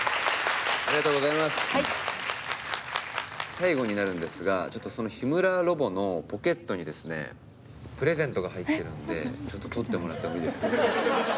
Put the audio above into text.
最後になるんですがちょっとその日村ロボのポケットにですねちょっと取ってもらってもいいですか？